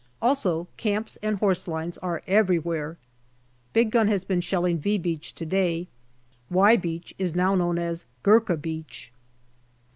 Also camps and horse lines are everywhere. Big gun has been shelling " V " Beach to day ;" Y ' Beach is now known as Gurkha Beach.